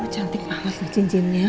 cantik banget loh cincinnya